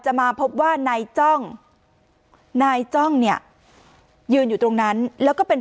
มาพบว่านายจ้องนายจ้องเนี่ยยืนอยู่ตรงนั้นแล้วก็เป็น